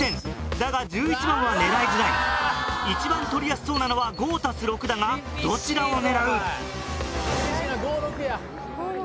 だが１１番は狙いづらい一番取りやすそうなのは５足す６だがどちらを狙う？